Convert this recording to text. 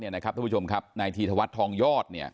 นายทีธวรรษทองยอด